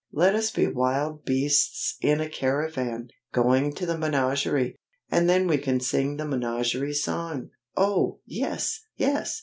"Let us be wild beasts in a caravan, going to the menagerie, and then we can sing the menagerie song." "Oh! yes! yes!"